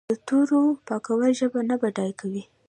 د تورو پاکول ژبه نه بډای کوي.